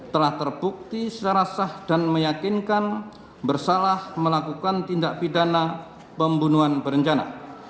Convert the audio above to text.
telah terbukti secara sah dan meyakinkan bersalah melakukan tindak pidana pembunuhan berencana